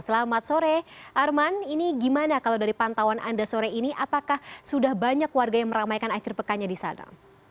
selamat sore arman ini gimana kalau dari pantauan anda sore ini apakah sudah banyak warga yang meramaikan akhir pekannya di sana